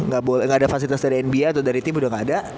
nggak ada fasilitas dari nba atau dari tim udah nggak ada